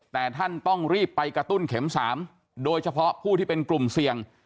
แต่ท่านต้องรีบไปกระตุ้นเข็ม๓โดยเฉพาะผู้ที่เป็นกลุ่มเสี่ยง